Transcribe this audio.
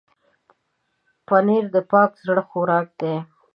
پنېر د پاک زړونو خوراک دی.